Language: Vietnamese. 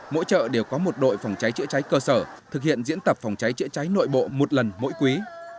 mỗi chợ đều có một đội phòng cháy chữa cháy cơ sở thực hiện diễn tập phòng cháy chữa cháy nội bộ một lần mỗi quý